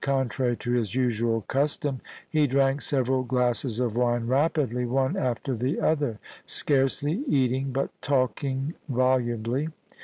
Contrary to his usual custom, he drank several glasses of wine rapidly one after the other, scarcely eating, but talking volubly.